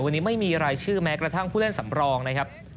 วันนี้ไม่มีรายชื่อแม้กระทั่งผู้เล่นสำรองนะครับ